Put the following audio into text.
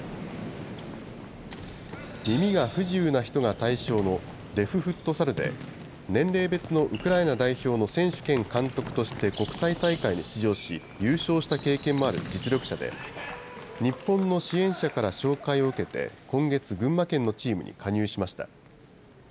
耳が不自由な人が対象のデフフットサルで、年齢別のウクライナ代表の選手兼監督として国際大会に出場し、優勝した経験もある実力者で、日本の支援者から紹介を受けて、今月、群馬県のチームに加入しました。